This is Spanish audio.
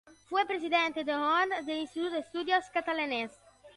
Fue presidente de honor del Instituto de Estudios Catalanes.